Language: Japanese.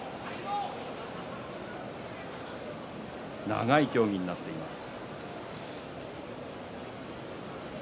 長い協議になっています。